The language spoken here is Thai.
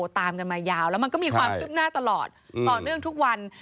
ตามกันมายาวแล้วมันก็มีความคืบหน้าตลอดต่อเนื่องทุกวัน